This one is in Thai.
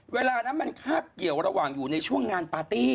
เวลานั้นมันคาบเกี่ยวระหว่างอยู่ในช่วงงานปาร์ตี้